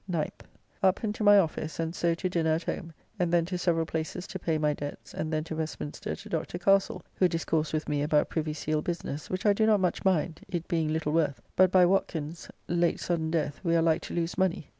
9th. Up and to my office, and so to dinner at home, and then to several places to pay my debts, and then to Westminster to Dr. Castle, who discoursed with me about Privy Seal business, which I do not much mind, it being little worth, but by Watkins's [clerk of the Privy Seal] late sudden death we are like to lose money.